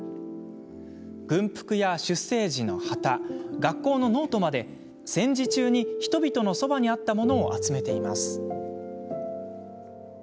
軍服や出征時の旗学校のノートまで戦時中に人々のそばにあったものを集めています。